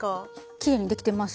きれいにできてます。